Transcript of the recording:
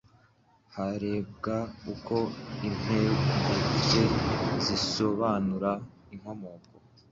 harebwa uko impuguke zisobanura inkomoko